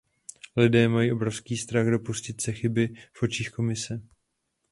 Lidé mají obrovský strach dopustit se chyby v očích Komise.